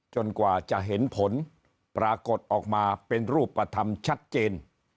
กว่าจะเห็นผลปรากฏออกมาเป็นรูปธรรมชัดเจน